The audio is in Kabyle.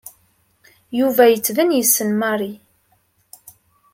Yuba yettban yessen Mary.